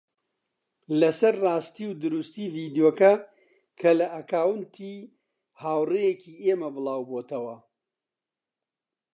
لەسەر ڕاستی و دروستی ڤیدیۆکە کە لە ئەکاونتی هاوڕێیەکی ئێمە بڵاوبووەتەوە